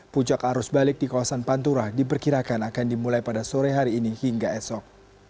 puncak arus balik di kawasan pantura diperkirakan akan dimulai pada sore hari ini hingga esok